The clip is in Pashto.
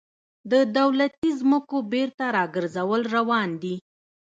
د دولتي ځمکو بیرته راګرځول روان دي